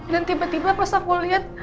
dan tiba tiba pas aku liat